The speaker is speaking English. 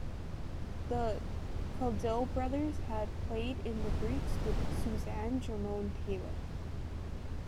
The Caudill brothers had played in The Breaks with Susanne Jerome-Taylor.